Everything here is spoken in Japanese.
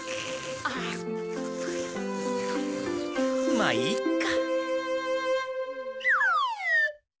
まあいいか。